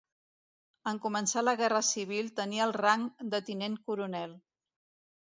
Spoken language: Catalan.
En començar la Guerra civil tenia el rang de Tinent coronel.